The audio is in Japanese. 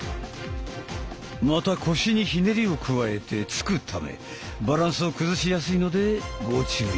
また腰にひねりを加えて突くためバランスを崩しやすいのでご注意あれ。